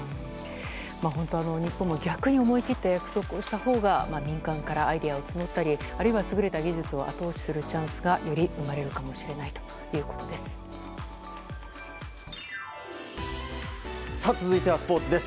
本当に、日本も逆に思い切った約束をしたほうが民間からアイデアを募ったり優れた技術を後押しするチャンスがより生まれるかもしれないということです。